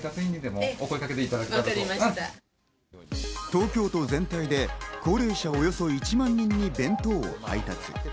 東京都全体で高齢者およそ１万人に弁当を配達。